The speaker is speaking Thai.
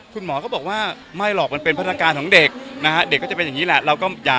คุณหมอก็บอกว่าไม่หรอกมันเป็นพัฒนาการของเด็กนะฮะเด็กก็จะเป็นอย่างนี้แหละ